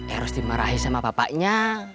eros dimarahin sama bapaknya